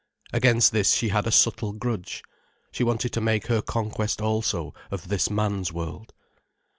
Against this she had a subtle grudge. She wanted to make her conquest also of this man's world.